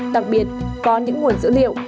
đặc biệt có những nguồn dữ liệu